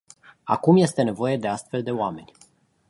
Acum este nevoie de astfel de oameni.